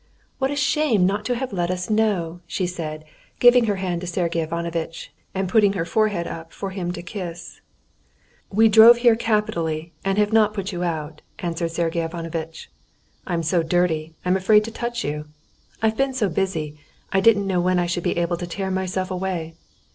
"What a shame not to have let us know," she said, giving her hand to Sergey Ivanovitch, and putting her forehead up for him to kiss. "We drove here capitally, and have not put you out," answered Sergey Ivanovitch. "I'm so dirty. I'm afraid to touch you. I've been so busy, I didn't know when I should be able to tear myself away.